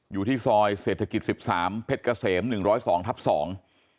อยู่ที่ซอยเศรษฐกิจสิบสามเพชรเกษมหนึ่งร้อยสองทับสอง